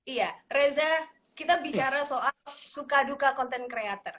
iya reza kita bicara soal suka duka content creator